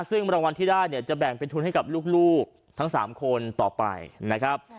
ซึ่งรางวัลที่ได้เนี่ยจะแบ่งเป็นทุนให้กับลูกทั้ง๓คนต่อไปนะครับ